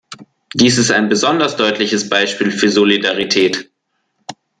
Dies ist ein besonders deutliches Beispiel für Solidarität.